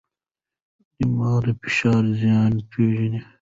دماغ د فشار زیان پېژني.